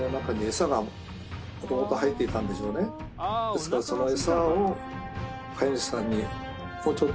ですからその餌を。